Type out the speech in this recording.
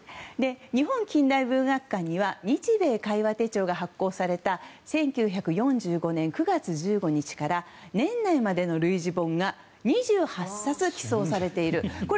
日本近代文学館には「日米會話手帳」が発行された１９４５年９月１５日から年内までの類似本が２８冊寄贈されている。